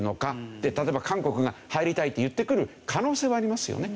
で例えば韓国が入りたいって言ってくる可能性はありますよね。